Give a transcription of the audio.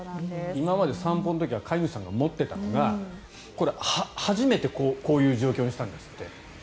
今まで散歩の時は飼い主さんが持っていたのがこれ、初めてこういう状況にしたんですって。